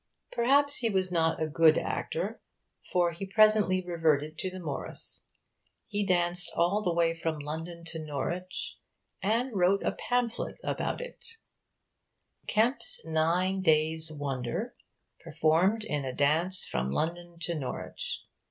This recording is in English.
Perhaps he was not a good actor, for he presently reverted to the Morris. He danced all the way from London to Norwich, and wrote a pamphlet about it 'Kemp's Nine Dajes' Wonder, performed in a daunce from London to Norwich.